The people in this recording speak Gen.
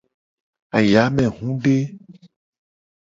Ayamehude.